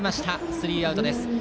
スリーアウトです。